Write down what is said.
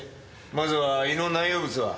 まずは胃の内容物は？